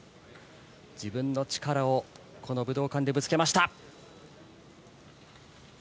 自分の力をこの武道館でぶつけました。